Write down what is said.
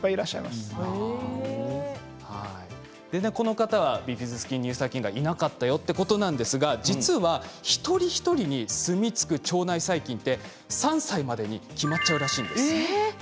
でねこの方はビフィズス菌乳酸菌がいなかったよってことなんですが実は一人一人に住み着く腸内細菌って３歳までに決まっちゃうらしいんです。